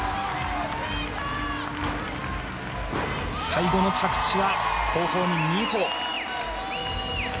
最後の着地は後方に２歩。